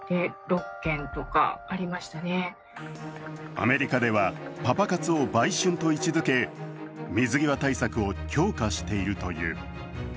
アメリカではパパ活を売春と位置づけ水際対策を強化しているという。